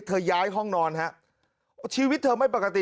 ย้ายห้องนอนฮะชีวิตเธอไม่ปกติ